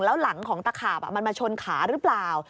แล้วหลังของตะขาบมันมาชนขาหรือเปล่า